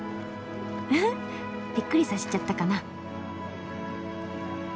うふっびっくりさせちゃったかな？